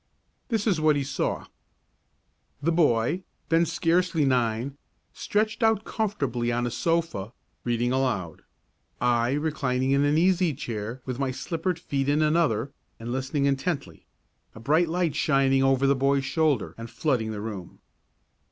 This is what he saw: The boy, then scarcely nine, stretched out comfortably on a sofa, reading aloud; I reclining in an easy chair with my slippered feet in another, and listening intently; a bright light shining over the boy's shoulder and flooding the room.